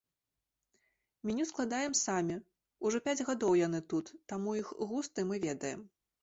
Меню складаем самі, ужо пяць гадоў яны тут, таму іх густы мы ведаем.